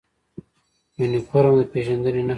یونفورم د پیژندنې نښه ده